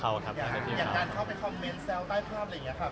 อย่างการเข้าไปคอมเมนต์แซวใต้ภาพอะไรอย่างนี้ค่ะ